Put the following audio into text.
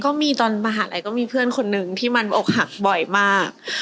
ก็มีตอนมหาลัยก็มีเพื่อนคนนึงที่มันอกหักบ่อยมาก